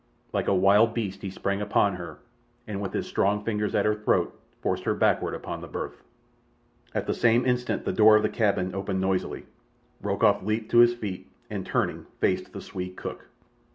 Like a wild beast he sprang upon her, and with his strong fingers at her throat forced her backward upon the berth. At the same instant the door of the cabin opened noisily. Rokoff leaped to his feet, and, turning, faced the Swede cook.